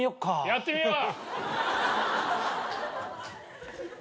やってみよう！